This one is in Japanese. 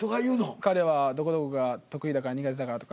彼はどこどこが得意だから苦手だからとか。